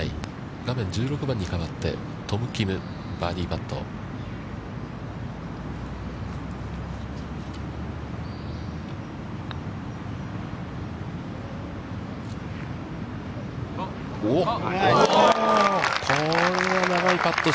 画面、１６番に変わって、トム・キム、バーディーパット。